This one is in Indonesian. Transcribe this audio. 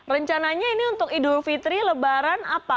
rencananya ini untuk idul fitri lebaran apa